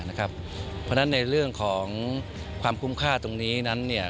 เพราะฉะนั้นในเรื่องของความคุ้มค่าตรงนี้นั้น